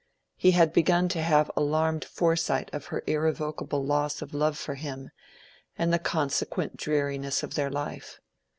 He had begun to have an alarmed foresight of her irrevocable loss of love for him, and the consequent dreariness of their life.